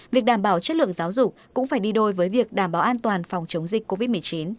việc đảm bảo chất lượng giáo dục cũng phải đi đôi với việc đảm bảo an toàn phòng chống dịch covid một mươi chín